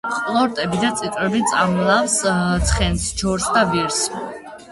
ყლორტები და წიწვები წამლავს ცხენს, ჯორს და ვირს.